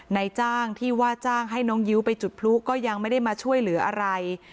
ในจ้างที่ว่าจ้างให้น้องยิ้วไปจุดพลุก็ยังไม่ได้มาช่วยเหลืออะไร